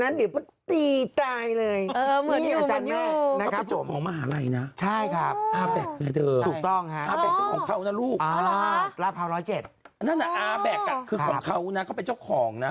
นั่นน่ะอ๋อแบกกับเครื่องของเขานะก็เป็นเจ้าของนะ